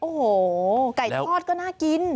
โอ้โหไก่ทอดก็น่ากิน